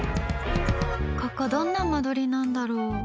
ここ、どんな間取りなんだろう。